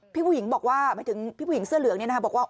พี่ผู้หญิงบอกว่าหมายถึงพี่ผู้หญิงเสื้อเหลืองเนี่ยนะคะบอกว่า